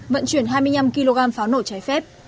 vận chuyển hai mươi năm kg pháo nổ trái phép